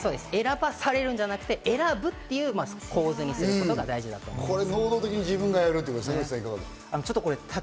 選ばされるのではなく、選ぶ構図にすることが大事だと思います。